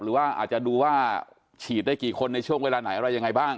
หรือว่าอาจจะดูว่าฉีดได้กี่คนในช่วงเวลาไหนอะไรยังไงบ้าง